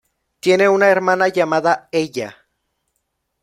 Tiene una hermana llamada Ella.